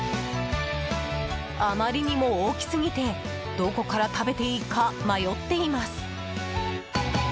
あまりにも大きすぎてどこから食べていいか迷っています。